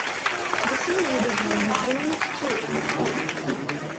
The son Abraham was born to two.